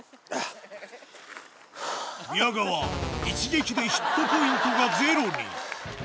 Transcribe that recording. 宮川、一撃でヒットポイントがゼロに。